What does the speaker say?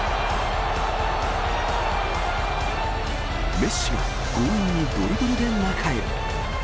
メッシが強引にドリブルで中へ。